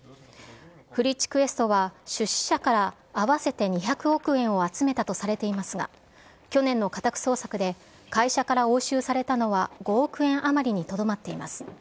フリッチクエストは出資者から合わせて２００億円を集めたとされていますが、去年の家宅捜索で、会社から押収されたのは５億円余りにとどまっています。